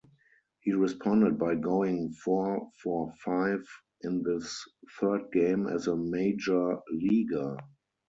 He responded by going four-for-five in his third game as a major leaguer.